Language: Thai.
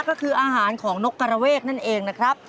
ก็คืออาหารของนกกระเวกนั่นเองนะครับ